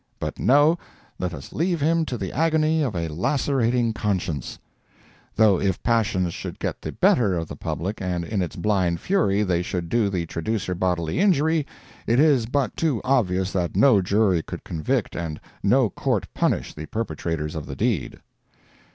But no—let us leave him to the agony of a lacerating conscience—(though if passion should get the better of the public and in its blind fury they should do the traducer bodily injury, it is but too obvious that no jury could convict and no court punish the perpetrators of the deed).